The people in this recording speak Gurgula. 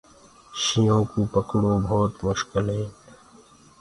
شيِنهو ڪوُ پڪڙوو ڀوت مشڪِل هي۔